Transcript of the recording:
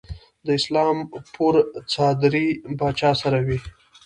د اسلام پور څادرې به چا سره وي؟